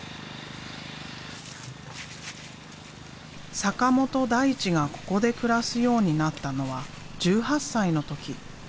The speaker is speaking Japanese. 坂本大知がここで暮らすようになったのは１８歳の時。